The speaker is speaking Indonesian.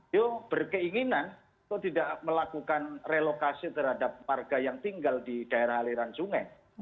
dia berkeinginan untuk tidak melakukan relokasi terhadap warga yang tinggal di daerah aliran sungai